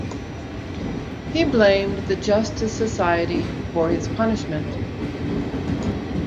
He blamed the Justice Society for his punishment.